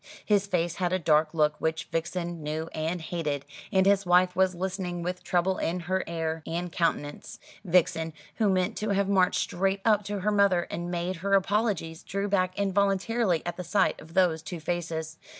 His face had a dark look which Vixen knew and hated, and his wife was listening with trouble in her air and countenance. Vixen, who meant to have marched straight up to her mother and made her apologies, drew back involuntarily at the sight of those two faces.